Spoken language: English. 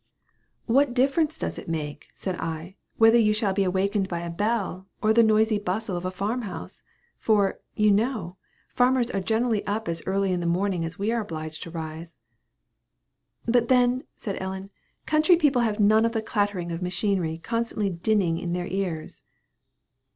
"What difference does it make?" said I, "whether you shall be awakened by a bell, or the noisy bustle of a farm house? For, you know, farmers are generally up as early in the morning as we are obliged to rise." "But then," said Ellen, "country people have none of the clattering of machinery constantly dinning in their ears."